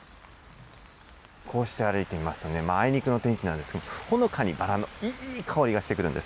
こうして歩いてみますとね、あいにくの天気なんですが、ほのかにバラのいい香りがしてくるんです。